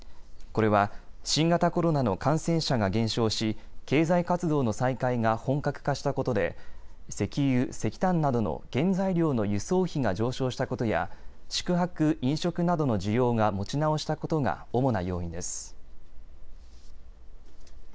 これは新型コロナの感染者が減少し、経済活動の再開が本格化したことで石油、石炭などの原材料の輸送費が上昇したことや宿泊・飲食などの需要が持ち直したことが主な要因です。